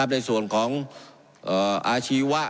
ในส่วนของอาชีวะ